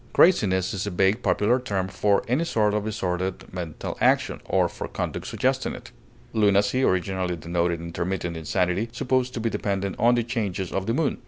Craziness is a vague popular term for any sort of disordered mental action, or for conduct suggesting it. Lunacy originally denoted intermittent insanity, supposed to be dependent on the changes of the moon (L.